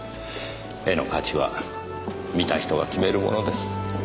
絵の価値は見た人が決めるものです。